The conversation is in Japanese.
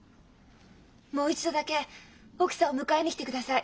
もう一度だけ奥さんを迎えに来てください。